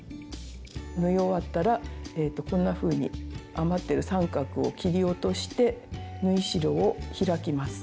縫い終わったらこんなふうに余ってる三角を切り落として縫い代を開きます。